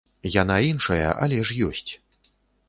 Яна іншая, але ж ёсць.